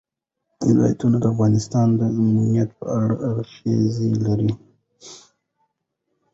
ولایتونه د افغانستان د امنیت په اړه اغېز لري.